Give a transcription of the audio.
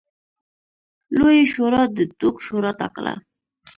لویې شورا د دوک شورا ټاکله.